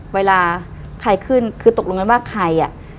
เวลาใครขึ้นคือตกลงกันว่าใครอ่ะ